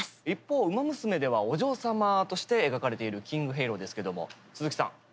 一方「ウマ娘」ではお嬢様として描かれているキングヘイローですけども鈴木さん